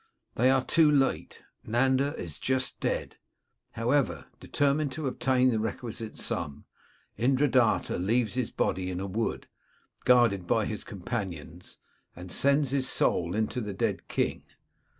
They are too late : Nanda is just dead. However, determined to obtain the requisite sum, Indradatta leaves his body in a wood, guarded by his companions, and sends his soul into the dead king.